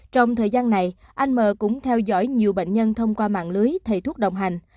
trong thời gian này anh m cũng theo dõi nhiều bệnh nhân thông qua mạng lưới thầy thuốc đồng hành